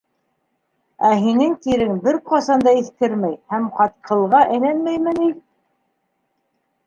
Ә һинең тирең бер ҡасан да иҫкермәй һәм ҡатҡылға әйләнмәйме ни?